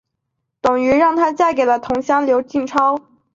董瑀让她嫁给了同乡刘进超。